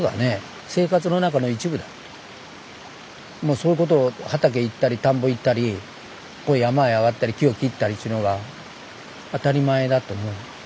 それこそ畑行ったり田んぼ行ったり山へ上がったり木を切ったりっちゅうのが当たり前だと思う。